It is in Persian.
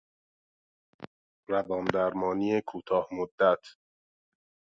روان درمانی کوتاه مدت